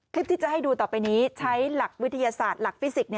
คลิปที่จะให้ดูต่อไปนี้ใช้หลักวิทยาศาสตร์หลักฟิสิกส์